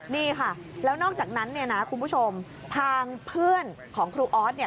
นี่ค่ะแล้วนอกจากนั้นเนี่ยนะคุณผู้ชมทางเพื่อนของครูออสเนี่ย